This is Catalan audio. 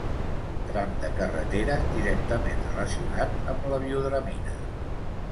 Tram de carretera directament relacionat amb la biodramina.